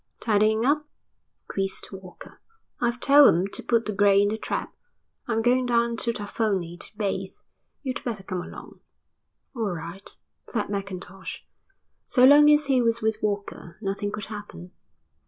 "Tidying up?" quizzed Walker. "I've told 'em to put the grey in the trap. I'm going down to Tafoni to bathe. You'd better come along." "All right," said Mackintosh. So long as he was with Walker nothing could happen.